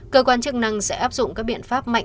cơ quan chức năng sẽ áp dụng các biện pháp mạnh